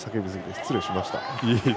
失礼しました。